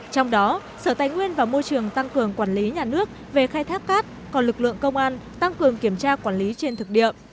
trong đó sở tài nguyên và môi trường tăng cường quản lý nhà nước về khai thác cát còn lực lượng công an tăng cường kiểm tra quản lý trên thực địa